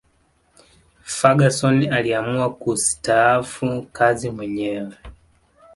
ferguson aliamua kusitaafu kazi mwenyewe